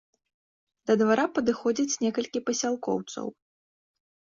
Да двара падыходзяць некалькі пасялкоўцаў.